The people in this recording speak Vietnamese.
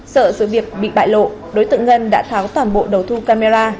sợ sự việc bị bại lộ đối tượng ngân đã tháo toàn bộ đầu thu camera